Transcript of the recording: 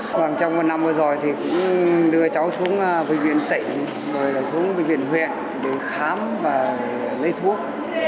trong một năm vừa rồi thì cũng đưa cháu xuống viện tỉnh rồi lại xuống viện huyện để khám và lấy thuốc